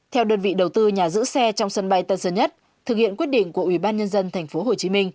theo đơn vị đầu tư nhà giữ xe trong sân bay tân sơn nhất thực hiện quyết định của ủy ban nhân dân tp hcm